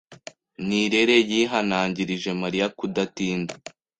Nirere yihanangirije Mariya kudatinda.